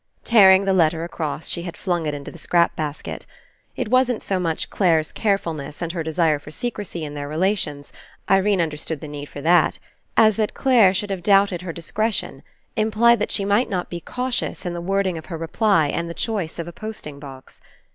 Tearing the letter across, she had flung it into the ' scrap basket. It wasn't so much Clare's carefulness and her desire for secrecy in their relations — Irene understood the need for that — as that Clare should have doubted her discretion, implied that she might not be cau 109 PASSING tious in the wording of her reply and the choice of a posting box.